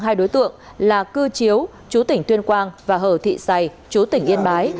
hai đối tượng là cư chiếu chú tỉnh tuyên quang và hờ thị giày chú tỉnh yên bái